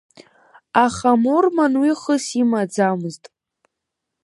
Аха Мурман уи хыс имаӡамызт.